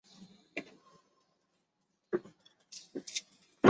沃特福德地处要冲。